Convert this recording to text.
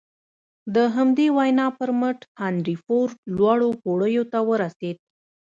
د همدې وينا پر مټ هنري فورډ لوړو پوړيو ته ورسېد.